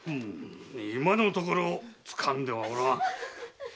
今のところ掴んではおらん。